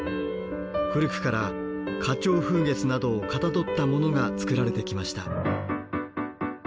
古くから花鳥風月などをかたどったものが作られてきました。